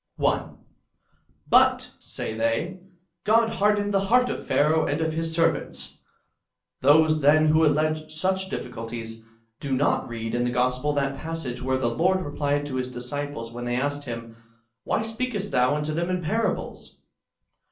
1. " But," say they, ^' God hardened the heart of Pharaoh and of his servants." ^ Those, then, who allege such diffi culties, do not read in the Gospel that passage where the Lord replied to the disciples, when they asked Him, " Why speakest Thou unto them in parables?"